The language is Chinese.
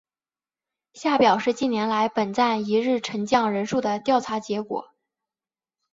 下表是近年来本站一日乘降人数的调查结果。